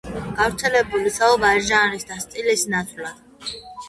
გავრცელებული საუბარი ჟანრის და სტილის ნაცვლად.